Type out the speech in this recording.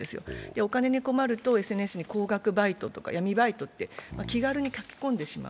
お金に困るとＳＮＳに高額バイトとか闇バイトって気軽に書き込んでしまう。